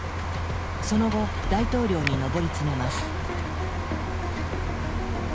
その後大統領に上り詰めます。